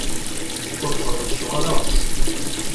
Ur feṛṛceɣ ara ɣef sin.